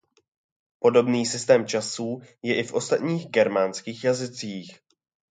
Podobný systém časů je i v ostatních germánských jazycích.